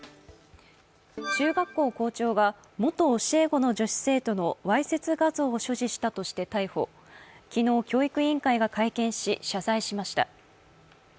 中学校校長が元教え子の女子生徒のわいせつ画像を所持したとして逮捕昨日、教育委員会が会見し、謝罪しました。